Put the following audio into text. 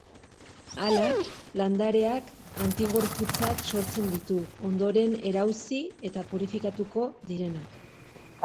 Hala, landareak antigorputzak sortzen ditu, ondoren erauzi eta purifikatuko direnak.